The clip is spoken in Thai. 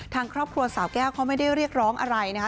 ทางครอบครัวสาวแก้วเขาไม่ได้เรียกร้องอะไรนะคะ